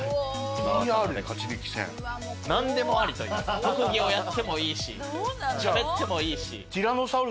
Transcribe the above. ＰＲで勝ち抜き戦？特技をやってもいいししゃべってもいいし。